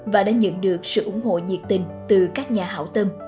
và đã nhận được sự ủng hộ nhiệt tình từ các nhà hảo tâm